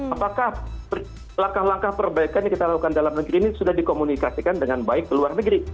apakah langkah langkah perbaikan yang kita lakukan dalam negeri ini sudah dikomunikasikan dengan baik ke luar negeri